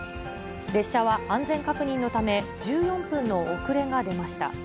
列車は安全確認のため、１４分の遅れが出ました。